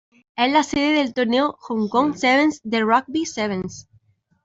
Es la sede del torneo Hong Kong Sevens de rugby sevens.